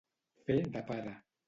Fer de pare.